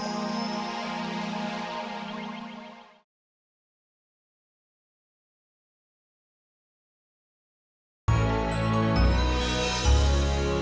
iya kayak gplen di sini deh